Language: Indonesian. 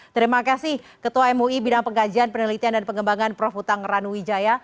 terimakasih ketua mui bidang pengajian penelitian dan pengembangan prof utang ranu wijaya